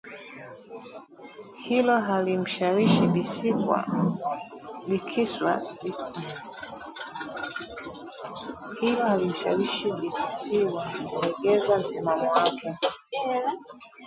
hilo halimshawishi Bikisiwa kulegeza msimamo wake